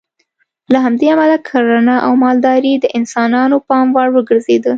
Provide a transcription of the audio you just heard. له همدې امله کرنه او مالداري د انسانانو پام وړ وګرځېده.